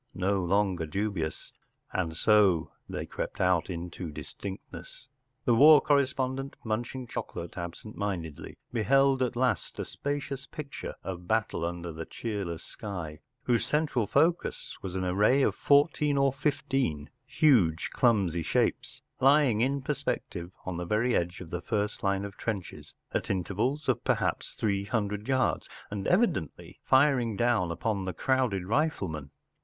no longer dubious, and so they crept out into distinctness. The war correspondent, munching chocolate absent mindedly, beheld at last a spacious picture of battle under the cheerless sky, whose central focus was an array of fourteen or fifteen huge clumsy shapes lying in perspective on the very edge of the first line of trenches, at intervals of perhaps three hundred yards, and evidently firing down upon the crowded riflemen.